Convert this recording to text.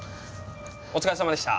お疲れさまでした。